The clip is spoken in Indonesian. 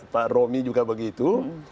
pak romi juga begitu